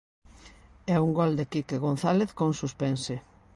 E un gol de Quique González con suspense.